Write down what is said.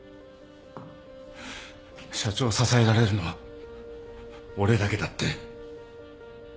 社長を支えられるのは俺だけだって。